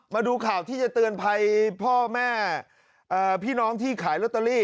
มาดูข่าวที่จะเตือนภัยพ่อแม่พี่น้องที่ขายลอตเตอรี่